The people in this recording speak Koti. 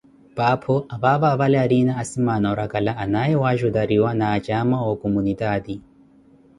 Paapho, apaapa apale ariina asimaana oorakala anaaye wajutariwa na acaama owu kumunitaati.